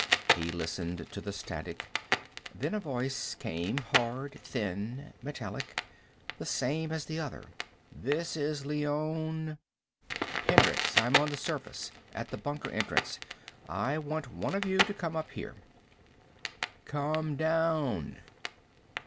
He listened to the static. Then a voice came, hard, thin, metallic. The same as the other. "This is Leone." "Hendricks. I'm on the surface. At the bunker entrance. I want one of you to come up here." "Come down."